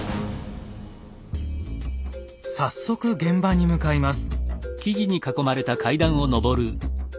早速現場に向かいます。